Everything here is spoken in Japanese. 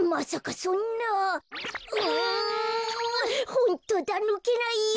ホントだぬけないよ！